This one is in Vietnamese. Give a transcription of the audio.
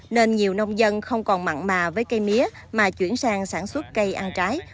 nên nhiều nông dân không còn mặn mà với cây mía mà chuyển sang sản xuất cây ăn trái